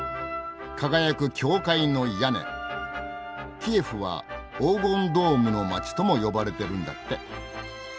キエフは「黄金ドームの街」とも呼ばれてるんだって。